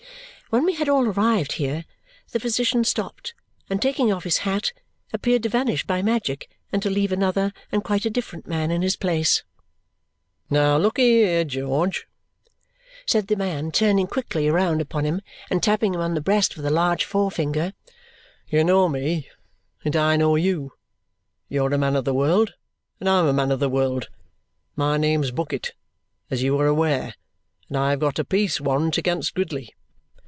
When we had all arrived here, the physician stopped, and taking off his hat, appeared to vanish by magic and to leave another and quite a different man in his place. "Now lookee here, George," said the man, turning quickly round upon him and tapping him on the breast with a large forefinger. "You know me, and I know you. You're a man of the world, and I'm a man of the world. My name's Bucket, as you are aware, and I have got a peace warrant against Gridley.